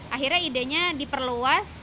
akhirnya idenya diperluas